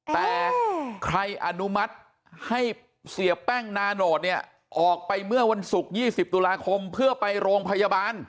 แต่ใครอนุมัติให้เสียแป้งนาโนตเนี่ยออกไปเมื่อวันศุกร์๒๐ตุลาคมเพื่อไปโรงพยาบาล